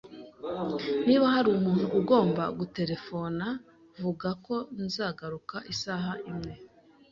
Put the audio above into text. Niba hari umuntu ugomba guterefona, vuga ko nzagaruka isaha imwe